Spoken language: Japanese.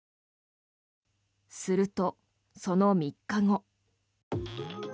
すると、その３日後。